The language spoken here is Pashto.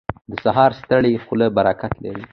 • د سهار ستړې خوله برکت لري.